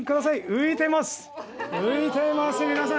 浮いております！